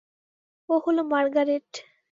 ও হল মার্গারেট।